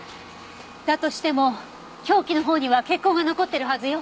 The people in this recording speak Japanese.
だとしても凶器のほうには血痕が残ってるはずよ。